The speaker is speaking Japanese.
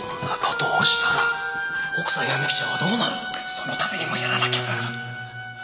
そのためにもやらなきゃならん。